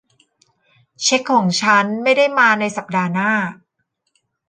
เช็คของฉันไม่ได้มาในสัปดาห์หน้า